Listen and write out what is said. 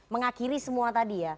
mengakhiri semua tadi ya